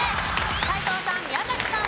斎藤さん宮崎さん